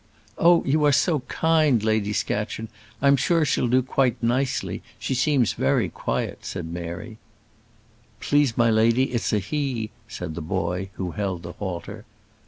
"Oh, you are so kind, Lady Scatcherd. I'm sure she'll do quite nicely; she seems very quiet," said Mary. "Please, my lady, it's a he," said the boy who held the halter.